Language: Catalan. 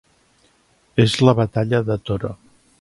És la batalla de Toro.